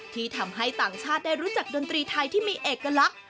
ที่ทำให้ต่างชาติได้รู้จักดนตรีไทยที่มีเอกลักษณ์